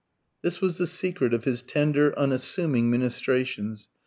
This was the secret of his tender, unassuming ministrations.